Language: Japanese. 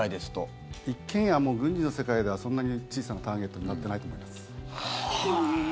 一軒家も軍事の世界ではそんなに小さなターゲットになっていないと思います。